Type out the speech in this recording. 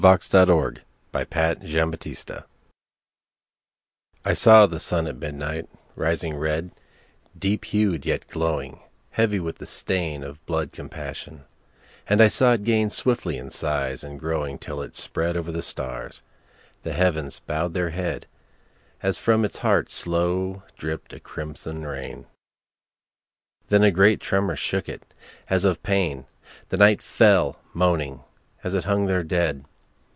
I saw the Sun at Midnight, rising red I SAW the Sun at midnight, rising red, Deep hued yet glowing, heavy with the stainOf blood compassion, and I saw It gainSwiftly in size and growing till It spreadOver the stars; the heavens bowed their headAs from Its heart slow dripped a crimson rain, Then a great tremor shook It, as of pain—The night fell, moaning, as It hung there dead.